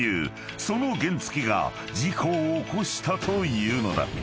［その原付が事故を起こしたというのだ］